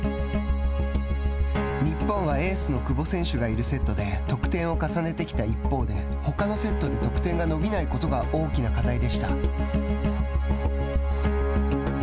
日本はエースの久保選手がいるセットで得点を重ねてきた一方でほかのセットで得点が伸びないことが大きな課題でした。